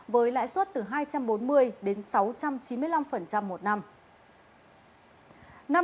với lãi suất từ hai trăm bốn mươi đến sáu trăm chín mươi năm một năm